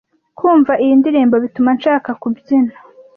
Kumva iyi ndirimbo bituma nshaka kubyina.